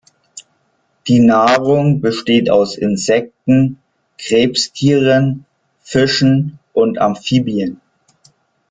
Die Nahrung besteht aus Insekten, Krebstieren, Fischen und Amphibien.